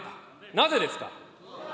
なぜですか。